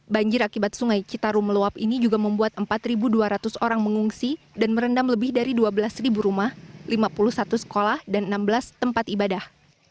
banjir akibat sungai citarum meluap ini juga membuat empat dua ratus orang mengungsi dan merendam lebih dari dua belas rumah lima puluh satu sekolah dan enam belas tempat ibadah